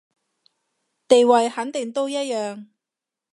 地位肯定都一樣